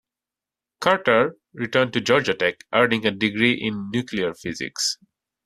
Carter returned to Georgia Tech, earning a degree in nuclear physics.